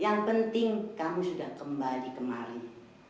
yang penting kamu sudah kembali kemarin